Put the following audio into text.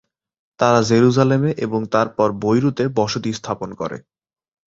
তারা জেরুজালেমে এবং তারপর বৈরুতে বসতি স্থাপন করে।